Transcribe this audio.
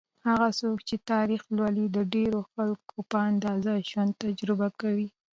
هغه څوک چې تاریخ لولي، د ډېرو خلکو په اندازه ژوند تجربه کوي.